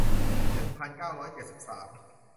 หนึ่งพันเก้าร้อยเจ็ดสิบสาม